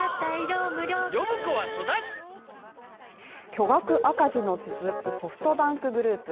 巨額赤字の続くソフトバンクグループ。